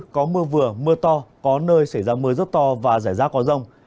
có mưa vừa mưa to có nơi xảy ra mưa rất to và rải rác có rông